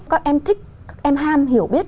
các em thích các em ham hiểu biết